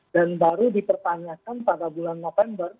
dan baru dipertanyakan pada bulan november